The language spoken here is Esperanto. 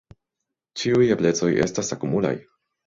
Ĉiuj eblecoj estas akumulaj.